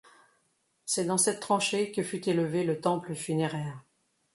C'est dans cette tranchée que fut élevé le temple funéraire.